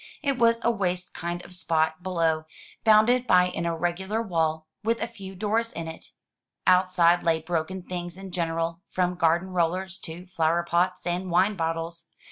It was a waste kind of spot below, bounded by an irregular wall, with a few doors in it. Out side lay broken things in general, from garden rollers to flower pots and wine bottles.